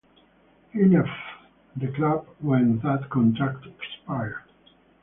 He left the club when that contract expired.